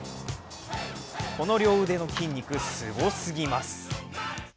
この両腕の筋肉、すごすぎます。